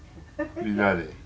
みんなで。